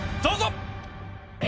どうぞ！